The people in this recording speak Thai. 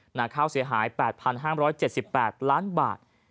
หน้าค่าเสียหาย๘๕๗๘ล้านบาท